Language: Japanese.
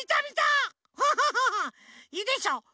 いいでしょ？